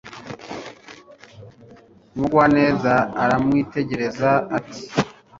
Umugwaneza aramwitegereza ati